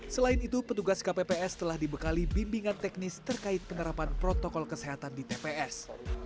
selain itu petugas kpps telah dibekali bimbingan teknis terkait penerapan protokol kesehatan di tps